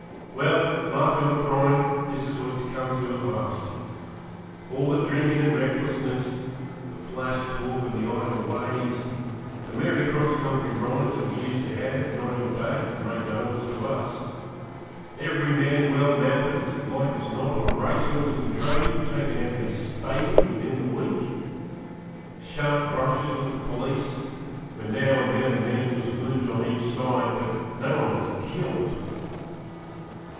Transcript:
Well, laughing or crying, this is what it has come to at last. All the drinking and recklessness; the flash talk and the idle ways; the merry cross country rides that we used to have, night or day, it made no odds to us; every man well mounted, as like as not on a racehorse in training taken out of his stable within the week; the sharp brushes with the police, when now and then a man was wounded on each side, but no one killed.